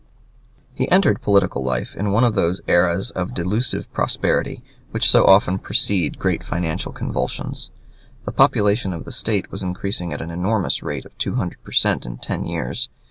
"] He entered political life in one of those eras of delusive prosperity which so often precede great financial convulsions. The population of the State was increasing at the enormous rate of two hundred percent in ten years.